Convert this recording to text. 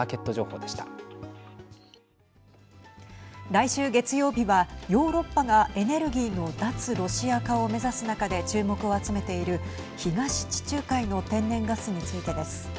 来週月曜日はヨーロッパがエネルギーの脱ロシア化を目指す中で注目を集めている東地中海の天然ガスについてです。